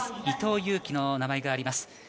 伊藤有希の名前があります。